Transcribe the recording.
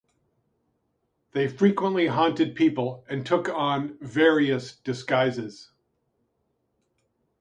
They frequently haunted people and took on various disguises.